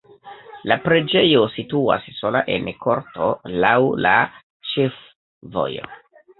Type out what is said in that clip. La preĝejo situas sola en korto laŭ la ĉefvojo.